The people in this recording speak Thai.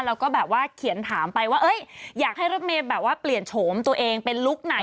แล้วก็แบบว่าเขียนถามไปว่าอยากให้รถเมย์แบบว่าเปลี่ยนโฉมตัวเองเป็นลุคไหน